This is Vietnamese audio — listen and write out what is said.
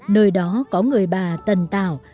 nơi đó có người bà tần tạo